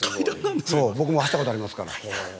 僕も走ったことありますから。